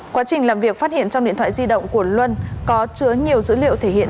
quá trình làm việc phát hiện trong điện thoại di động của luân có chứa nhiều dữ liệu thể hiện